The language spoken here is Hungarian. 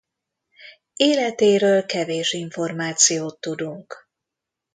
Életéről kevés információt tudunk.